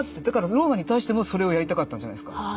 だからローマに対してもそれをやりたかったんじゃないですか。